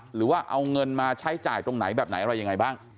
หรือว่าเอาเงินมาใช้จ่ายตรงไหนแบบไหนอะไรยังไงบ้าง